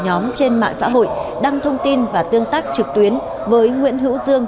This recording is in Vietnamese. nhóm trên mạng xã hội đăng thông tin và tương tác trực tuyến với nguyễn hữu dương